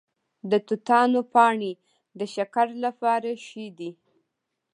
د توتانو پاڼې د شکر لپاره ښې دي؟